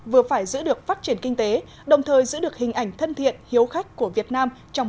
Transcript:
vừa phải giữ được phát triển kinh tế đồng thời giữ được hình ảnh thân thiện hiếu khách của việt nam trong